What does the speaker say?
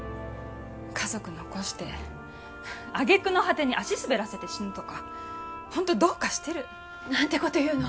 家族残して揚げ句の果てに足滑らせて死ぬとか本当どうかしてる。なんて事言うの。